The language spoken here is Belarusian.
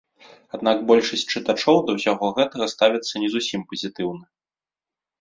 Аднак большасць чытачоў да гэтага ставяцца не зусім пазітыўна.